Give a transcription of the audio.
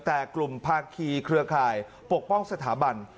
แต่กลุ่มภาคีเครือข่ายปกป้องสถาบัน